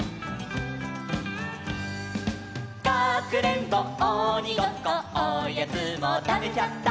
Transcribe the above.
「かくれんぼ鬼ごっこおやつも食べちゃった」